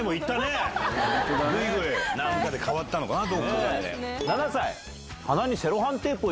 何かで変わったのかな？